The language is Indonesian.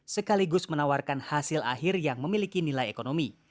sekaligus menawarkan hasil akhir yang memiliki nilai ekonomi